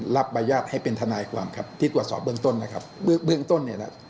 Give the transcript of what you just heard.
รับใบญาติให้เป็นทนายความที่ตรวจสอบเบื้องต้น